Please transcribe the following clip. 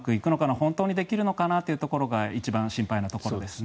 本当にできるのかなというところが一番心配なところですね。